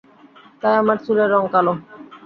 তাই আমার চুলের রঙ কালো।